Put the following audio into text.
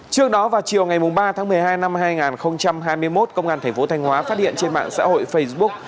trước đó vào chiều ngày ba tháng một mươi hai năm hai nghìn hai mươi một công an thành phố thanh hóa phát hiện trên mạng xã hội facebook